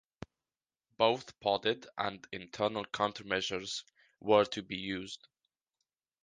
Both podded and internal countermeasures were to be used.